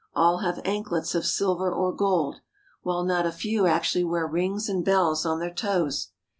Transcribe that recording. All have anklets of silver or gold, while not a few actually wear rings and bells on their toes.